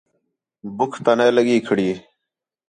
ٻُکھ تانے لڳدی ٻیٹھی